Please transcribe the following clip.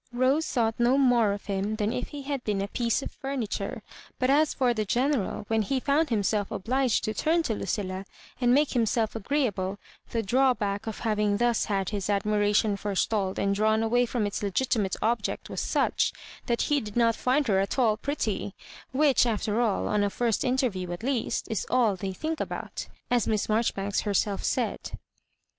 Boee thought no more of him than if be had been a piece of furniture; but aa for the General, when he found himself obliged to turn to Lucilla and make himself agreeable, the drawback of having thus had hia admiration forestalled and drawn awaj flx>m ita legitimate object was such, that he did not find her at all pretly, which, after all, on a first inter view at least, is all They think about^ as Miss Marjoribanks herself said.